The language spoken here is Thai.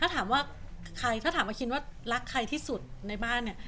ถ้าถามอาคินว่ารักใครที่สุดในบ้านเนี่ย